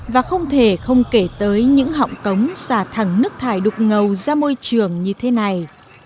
và không thể không kể tới những họng cống xả thẳng nước thải đục ngầu ra môi trường như thế này